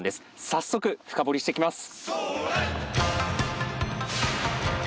早速深掘りしてきます！